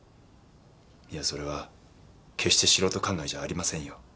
いやそれは決して素人考えじゃありませんよ。